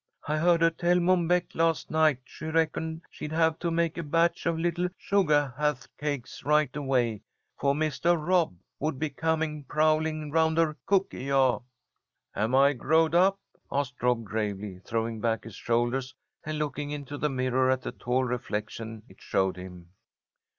I heard her tell Mom Beck last night she reckoned she'd have to make a batch of little sugah hah't cakes right away, for Mistah Rob would be coming prowling round her cooky jah." "Am I growed up?" asked Rob gravely, throwing back his shoulders and looking into the mirror at the tall reflection it showed him.